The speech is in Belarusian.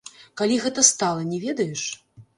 Калі гэта стала, не ведаеш?